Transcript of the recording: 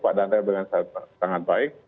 pak danda dengan sangat baik